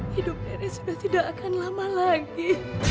hidup ini sudah tidak akan lama lagi